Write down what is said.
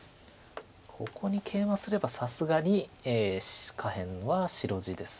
ここにケイマすればさすがに下辺は白地です。